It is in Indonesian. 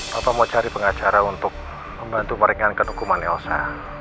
bapak mau cari pengacara untuk membantu meringankan hukuman elsa